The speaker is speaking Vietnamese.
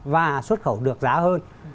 và xuất khẩu được giá hơn